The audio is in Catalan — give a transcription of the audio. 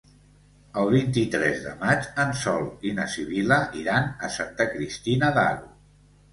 El vint-i-tres de maig en Sol i na Sibil·la iran a Santa Cristina d'Aro.